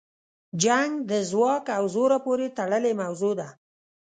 جنګ د ځواک او زوره پورې تړلې موضوع ده.